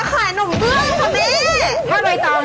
เล่าไว้ตอนทั้งไม่ซื้อฮะพ่อข้าวดังมากอ่างกาลุนรู้จักหมด